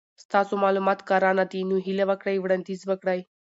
ستاسو مالومات کره ندي نو هیله وکړئ وړاندیز وکړئ